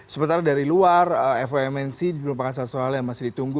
sementara dari luar fomnc belum akan salah soal yang masih ditunggu